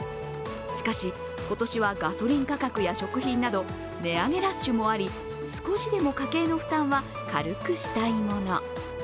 しかし、今年はガソリン価格や食品など、値上げラッシュもあり少しでも家計の負担は軽くしたいもの。